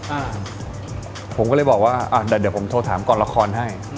อ่าผมก็เลยบอกว่าอ่ะแต่เดี๋ยวผมโทรถามก่อนละครให้